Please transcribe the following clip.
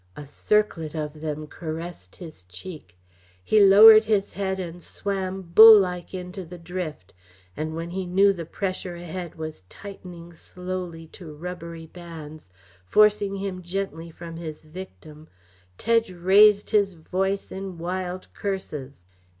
A circlet of them caressed his cheek. He lowered his head and swam bull like into the drift; and when he knew the pressure ahead was tightening slowly to rubbery bands, forcing him gently from his victim, Tedge raised his voice in wild curses.